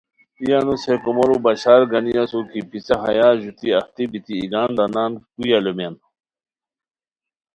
ای انوس ہے کومورو بشارگانی اسور کی پِسہ ہیا ژوتی اہتی بیتی ہے ایگان دانان کوئی الومیان؟